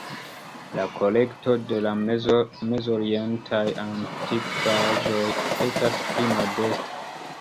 La kolekto de la Mez-Orientaj antikvaĵoj estas pli modesta.